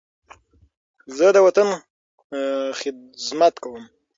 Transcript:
زه د وطن خدمت کوم.